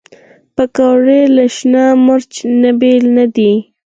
پکورې له شنه مرچ نه بېل نه دي